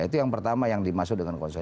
itu yang pertama yang dimasukkan konsolidasi